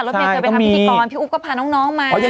เมย์เคยไปทำพิธีกรพี่อุ๊บก็พาน้องมา